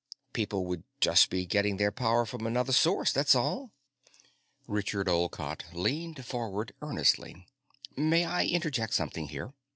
People would just be getting their power from another source, that's all." Richard Olcott leaned forward earnestly. "May I interject something here?